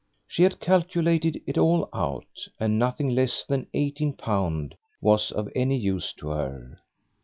She had calculated it all out, and nothing less than eighteen pound was of any use to her.